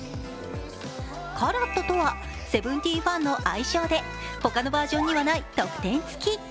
ＣＡＲＡＴとはＳＥＶＥＮＴＥＥＮファンの愛称で他のバージョンにはない特典付き。